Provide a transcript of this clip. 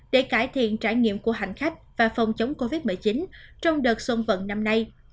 để cải thiện trải nghiệm của hành khách và phòng chống covid một mươi chín trong đợt xuân vận năm nay